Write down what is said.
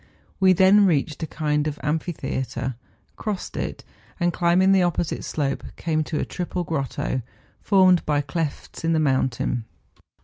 We then reached a 36 MOUNTAIN ADVENTURES. kind of amphitheatre, crossed it, and, climbing the opposite slope, came to a triple grotto, formed by clefts in the mountains.